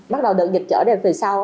bắt đầu được dịch trở về từ sau